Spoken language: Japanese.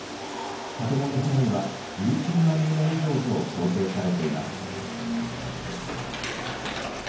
建物被害は１９万棟以上と想定されています。